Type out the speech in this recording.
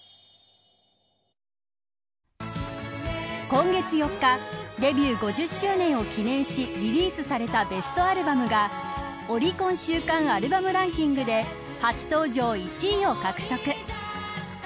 今月４日デビュー５０周年を記念しリリースされたベストアルバムがオリコン週間アルバムランキングで初登場１位を獲得。